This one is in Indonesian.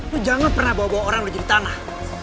lo jangan pernah bawa bawa orang lo jadi tanah